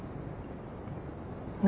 何？